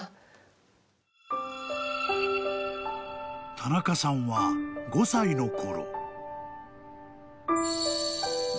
［田中さんは５歳の頃］